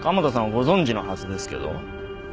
ご存じのはずですけど。